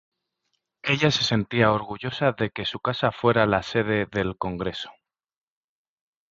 Ella se sentía orgullosa de que su casa fuera la sede del Congreso.